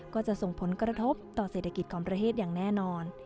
ก็จะส่งผลกระทบต่อเศรษฐกิจของประเทศอย่างแน่นอน